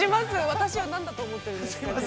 私を何だと思っているんですか。